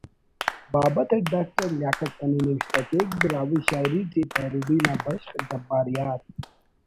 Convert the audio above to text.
بابت it doctor لیاقت سنی نوشتہ کیک: ''براہوئی شاعری ٹی پیروڈی نا بشخ جبار یار